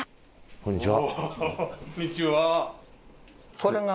こんにちは。